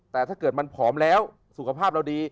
แต่ถ้าเกิดมันผอมแล้วสุขภาพเราดี